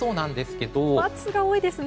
×が多いですね。